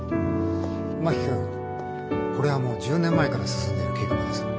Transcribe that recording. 真木君これはもう１０年前から進んでいる計画です。